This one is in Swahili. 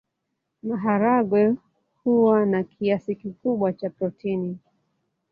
Maharagwe huwa na kiasi kikubwa cha protini.